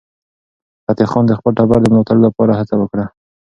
فتح خان د خپل ټبر د ملاتړ لپاره هڅه وکړه.